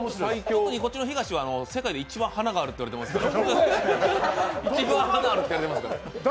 特に東は世界で一番華があると言われてますから。